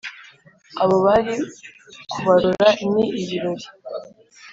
Abo bari kubarora ni ibirori